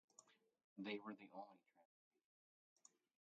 They were the only transportation.